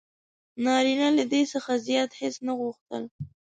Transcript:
نارینه له دې څخه زیات هیڅ نه غوښتل: